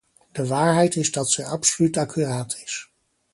De waarheid is dat zij absoluut accuraat is.